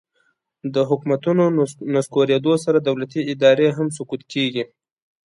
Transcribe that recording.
د حکومتونو نسکورېدو سره دولتي ادارې هم سقوط کیږي